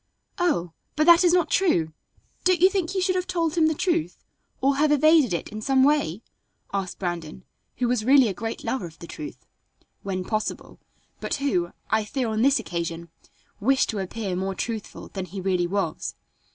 "Oh! but that is not true. Don't you think you should have told him the truth, or have evaded it in some way?" asked Brandon, who was really a great lover of the truth, "when possible," but who, I fear on this occasion, wished to appear more truthful than he really was.